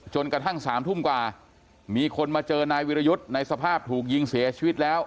กระทั่ง๓ทุ่มกว่ามีคนมาเจอนายวิรยุทธ์ในสภาพถูกยิงเสียชีวิตแล้ว